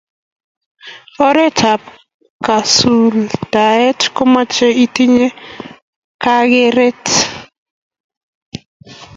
oret ap kasultaet komochei itinye kakeret